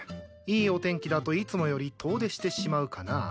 いいお天気だといつもより遠出してしまうかな。